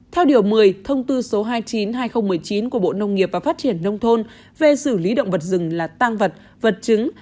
theo điều một mươi thông tư số hai mươi chín hai nghìn một mươi chín của bộ nông nghiệp và phát triển nông thôn về xử lý động vật rừng là tăng vật vật chứng